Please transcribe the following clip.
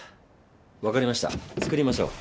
わかりました作りましょう。